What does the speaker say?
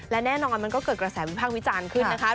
และแน่นอนมันก็เกิดกระแสวิพากษ์วิจารณ์ขึ้นนะคะ